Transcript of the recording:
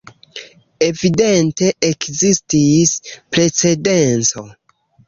Evidente ekzistis precedenco.